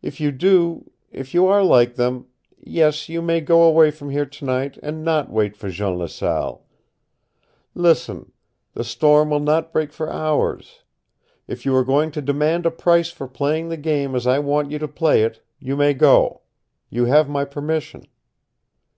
If you do if you are like them yes, you may go away from here tonight and not wait for Jean Laselle. Listen! The storm will not break for hours. If you are going to demand a price for playing the game as I want you to play it, you may go. You have my permission."